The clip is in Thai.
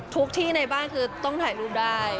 ทุกที่ในบ้านคือต้องถ่ายรูปได้